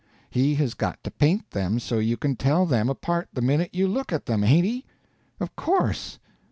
He has got to paint them so you can tell them apart the minute you look at them, hain't he? Of course.